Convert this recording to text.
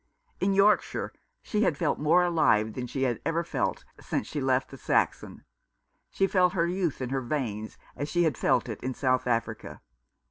In Yorkshire she had felt more alive than she had ever felt since she left the Saxon. She felt her youth in her veins as she had felt it in South Africa.